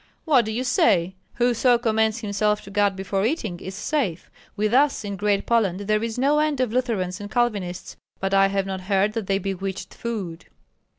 "What do you say? Whoso commends himself to God before eating is safe; with us in Great Poland there is no end of Lutherans and Calvinists, but I have not heard that they bewitched food."